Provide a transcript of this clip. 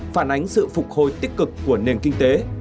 phản ánh sự phục hồi tích cực của nền kinh tế